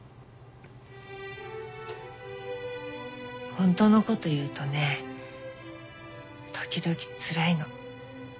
ホントのこと言うとね時々つらいの。